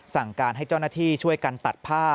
สั่งการให้เจ้าหน้าที่ช่วยกันตัดผ้า